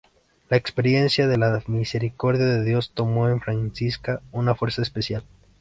La experiencia de la misericordia de Dios tomó en Francisca una fuerza especial.